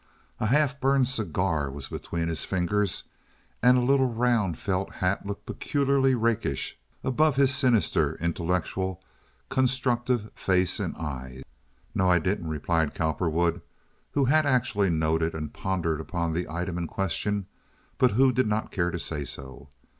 A half burned cigar was between his fingers, and a little round felt hat looked peculiarly rakish above his sinister, intellectual, constructive face and eyes. "No, I didn't," replied Cowperwood, who had actually noted and pondered upon the item in question, but who did not care to say so.